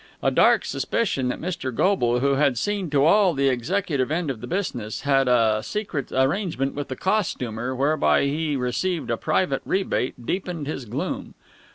A dark suspicion that Mr. Goble, who had seen to all the executive end of the business, had a secret arrangement with the costumer whereby he received a private rebate, deepened his gloom.